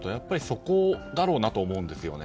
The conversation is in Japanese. そこだろうなと思うんですよね。